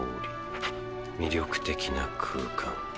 魅力的な空間。